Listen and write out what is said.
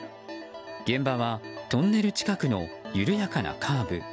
現場はトンネル近くの緩やかなカーブ。